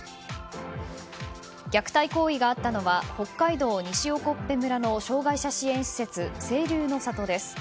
虐待行為があったのは北海道西興部村の障害者支援施設、清流の里です。